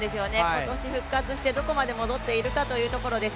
今年復活して、どこまで戻っているかというところです。